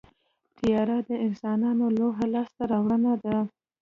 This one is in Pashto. طیاره د انسانانو لویه لاسته راوړنه ده.